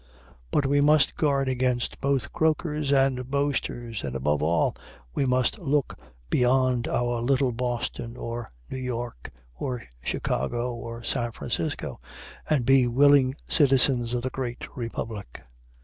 But we must guard against both croakers and boasters; and above all, we must look beyond our little Boston or New York or Chicago or San Francisco, and be willing citizens of the great Republic.